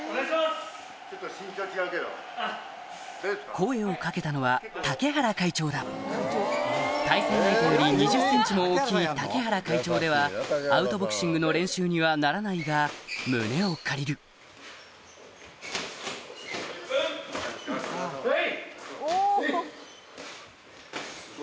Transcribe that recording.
声を掛けたのは竹原会長だ対戦相手より２０ｃｍも大きい竹原会長ではアウトボクシングの練習にはならないが胸を借りるはい！